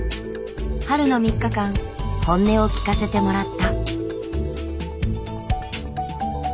春の３日間本音を聞かせてもらった。